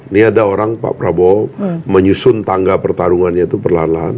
ini ada orang pak prabowo menyusun tangga pertarungannya itu perlahan lahan